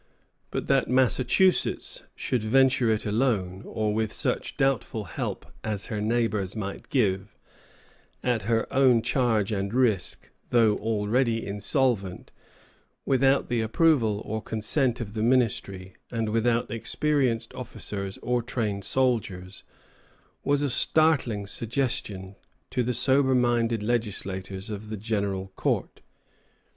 But that Massachusetts should venture it alone, or with such doubtful help as her neighbors might give, at her own charge and risk, though already insolvent, without the approval or consent of the ministry, and without experienced officers or trained soldiers, was a startling suggestion to the sober minded legislators of the General Court.